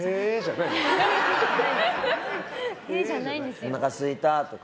おなかすいたとか。